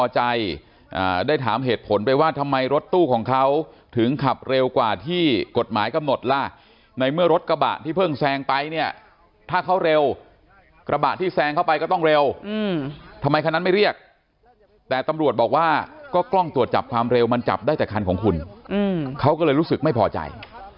พอถึงขับเร็วกว่าที่กฎหมายกำหนดล่ะในเมื่อรถกระบะที่เพิ่งแซงไปเนี่ยถ้าเขาเร็วกระบะที่แซงเข้าไปก็ต้องเร็วทำไมคันนั้นไม่เรียกแต่ตำรวจบอกว่าก็กล้องตรวจจับความเร็วมันจับได้แต่คันของคุณเขาก็เลยรู้สึกไม่พอใจ